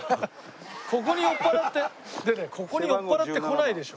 ここに酔っ払ってここに酔っ払って来ないでしょ。